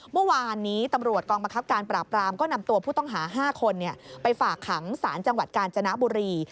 เมื่อวานนี้ตำรวจกองบังคับการปราบรามก็นำตัวผู้ต้องหา๕คนไปฝากขังสารจังหวัดกาญจนบุรี